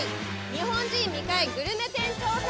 日本人未開グルメ店調査。